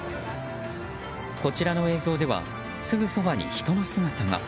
こちらの映像ではすぐそばに人の姿が。